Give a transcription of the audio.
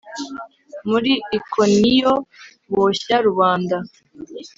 muri Ikoniyo boshya rubanda